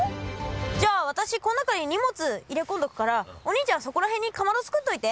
じゃあ私こん中に荷物入れ込んどくからお兄ちゃんそこら辺にかまど作っといて。